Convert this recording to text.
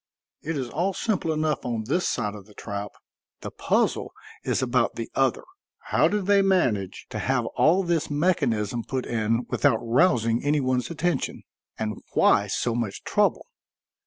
It is all simple enough on this side of the trap; the puzzle is about the other. How did they manage to have all this mechanism put in without rousing any one's attention? And why so much trouble?"